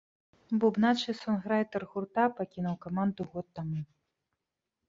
Бубнач і сонграйтар гурта пакінуў каманду год таму.